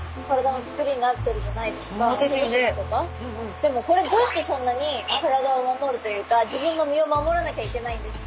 でもこれどうしてそんなに体を守るというか自分の身を守らなきゃいけないんですか？